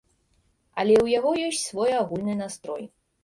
Але ў яго ёсць свой агульны настрой.